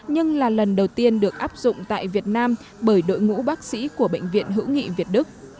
nhưng là lần đầu tiên được áp dụng tại việt nam bởi đội ngũ bác sĩ của bệnh viện hữu nghị việt đức